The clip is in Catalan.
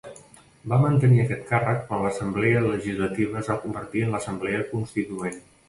Va mantenir aquest càrrec quan l'Assemblea Legislativa es va convertir en l'Assemblea Constituent.